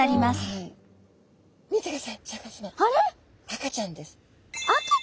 赤ちゃんです。